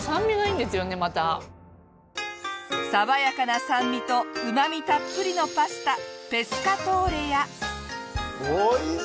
爽やかな酸味とうま味たっぷりのパスタペスカトーレや。